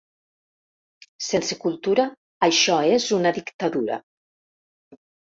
Sense cultura això és una dictadura.